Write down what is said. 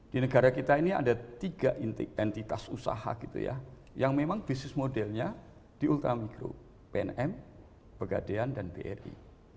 di negara kita ini ada tiga entitas usaha gitu ya yang memang bisnis modelnya di ultramikro pnm pegadean dan bri